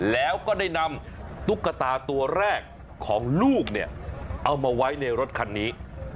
แล้วก็ได้นำตุ๊กตาตัวแรกของลูกเนี่ยเอามาไว้ในรถคันนี้